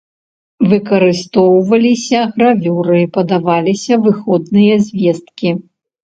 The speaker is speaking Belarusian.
Выкарыстоўваліся гравюры, падаваліся выходныя звесткі.